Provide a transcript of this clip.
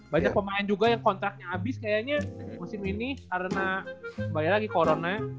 banyak pemain juga yang kontraknya habis kayaknya musim ini karena bayar lagi corona